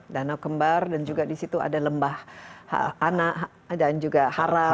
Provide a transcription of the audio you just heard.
danau kembar dan juga di situ ada lembah anak dan juga haram